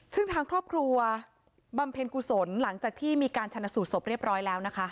ซึ่งทางครอบครัวบำเพ็ญกุศลหลังจากที่มีการชนะสูตรศพเรียบร้อยแล้วนะคะ